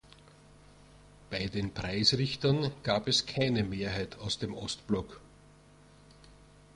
Bei den Preisrichtern gab es keine Mehrheit aus dem Ostblock.